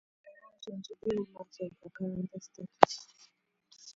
They went on to build much of the current estate.